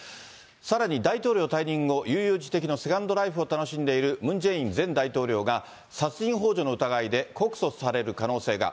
さらに、大統領退任後、悠々自適のセカンドライフを楽しんでいるムン・ジェイン前大統領が殺人ほう助の疑いで告訴される可能性が。